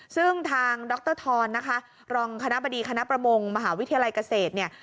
ซึ่งทางดรทรนะคะรองคณะบดีคณะประมงมหาวิทยาลัยเกษตรเนี่ย